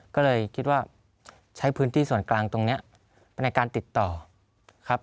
ก็เลยคิดว่าใช้พื้นที่ส่วนกลางตรงนี้ในการติดต่อครับ